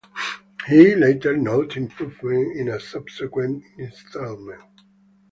He later noted improvement in a subsequent installment.